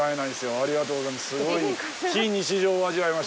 ありがとうございます。